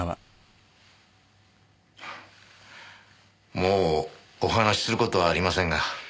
もうお話しする事はありませんが。